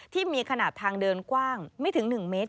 ที่มีขนาดทางเดินกว้างไม่ถึง๑เมตร